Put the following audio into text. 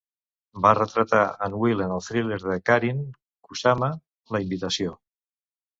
Va retratar en Will en el thriller de Karyn Kusama "La invitació".